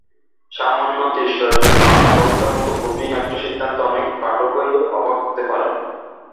সামান্য তিরস্কারের জন্য আত্মহত্যার মতো কঠিন একটা সিদ্ধান্তে অনেক পাঠকই অবাক হতে পারেন।